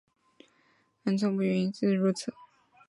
其豪纵不逊如此。